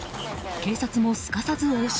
警察もすかさず応酬。